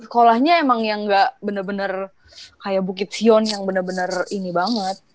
sekolahnya emang yang gak bener bener kayak bukit sion yang benar benar ini banget